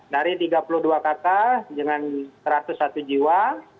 dari tiga puluh dua kakak dengan satu ratus satu jiwa